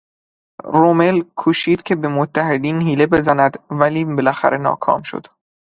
رومل کوشید که به متحدین حیله بزند ولی بالاخره ناکام شد.